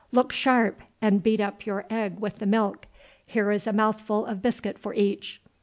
"Look sharp and beat up your egg with the milk. Here is a mouthful of biscuit for each.